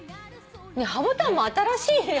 ハボタンも新しい。